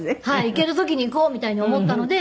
行ける時に行こうみたいに思ったので。